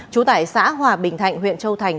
chú tải xã hòa bình thạnh huyện châu thành